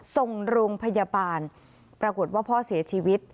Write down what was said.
ส่งโรงพยาบาลปรากฏว่าพ่อเสียชีวิต